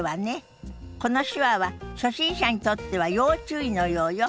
この手話は初心者にとっては要注意のようよ。